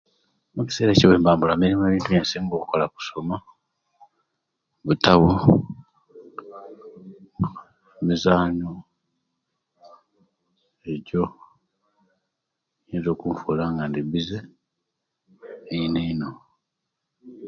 Ekiseera ekyo owemba impula mirimu ebintu ebyensinga okola kusoma bitabo mizanyu ekyo ekiyinza okufula nga ndi bbise eino eino